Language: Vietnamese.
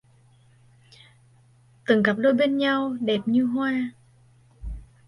Từng cặp đôi bên nhau đẹp như hoa